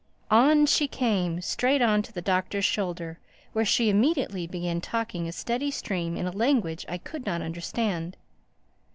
On she came, straight on to the Doctor's shoulder, where she immediately began talking a steady stream in a language I could not understand.